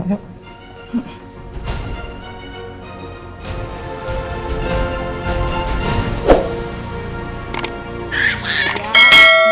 tadi habis cuci tangan